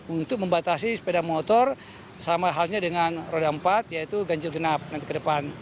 untuk membatasi sepeda motor sama halnya dengan roda empat yaitu ganjil genap nanti ke depan